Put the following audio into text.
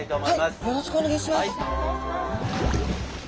はい。